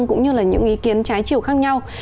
cũng như là những ý kiến trái chiều khác nhau